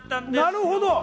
なるほど。